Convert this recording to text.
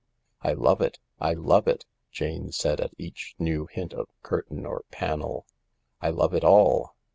" I love it, I love it I " Jane said at each new hint of curtain or panel. " I love it all."